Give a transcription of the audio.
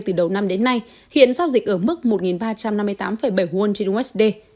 từ đầu năm đến nay hiện giao dịch ở mức một ba trăm năm mươi tám bảy won trên usd